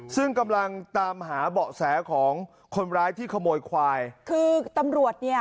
ซึ่งกำลังตามหาเบาะแสของคนร้ายที่ขโมยควายคือตำรวจเนี่ย